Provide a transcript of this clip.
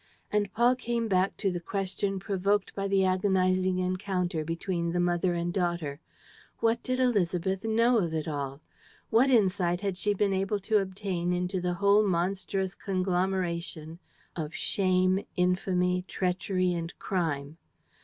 And Paul came back to the question provoked by the agonizing encounter between the mother and daughter: what did Élisabeth know of it all? What insight had she been able to obtain into the whole monstrous conglomeration of shame, infamy, treachery and crime?